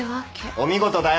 お見事だよ。